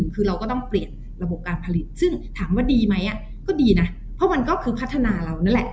คือเราก็ต้องเปลี่ยนระบบการผลิตซึ่งถามว่าดีไหมก็ดีนะเพราะมันก็คือพัฒนาเรานั่นแหละ